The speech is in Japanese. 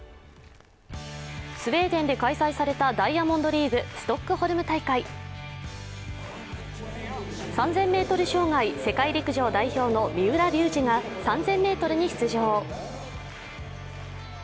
スウェーデンで開催されたダイヤモンドリーグ・ストックホルム大会３０００ｍ障害、世界陸上代表の三浦龍司が３０００ｍに出場。